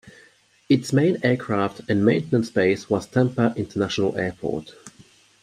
Its main aircraft and maintenance base was Tampa International Airport.